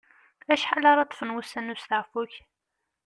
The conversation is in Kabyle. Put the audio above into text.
Acḥal ara ṭṭfen wussan n usteɛfu-k?